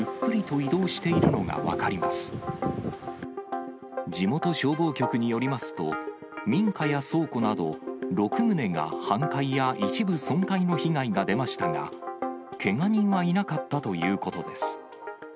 地元消防局によりますと、民家や倉庫など６棟が半壊や一部損壊の被害が出ましたが、けが人はいなかったということです。